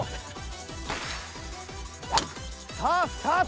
さあスタート！